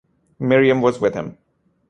Miriam was with him.